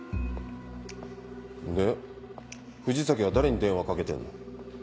で藤崎は誰に電話かけてんの？